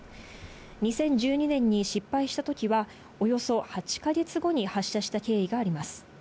２０１２年に失敗したときは、およそ８か月後に発射した経緯があります。